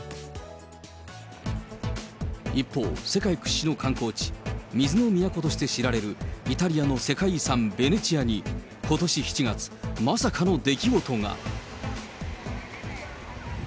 一方、世界屈指の観光地、水の都として知られるイタリアの世界遺産ベネチアに、ことし７月、まさかの出来事が。